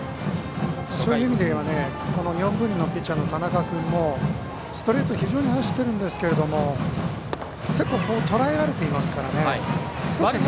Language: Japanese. そういう意味では日本文理のピッチャーの田中君もストレート非常に走ってるんですけど結構とらえられていますから。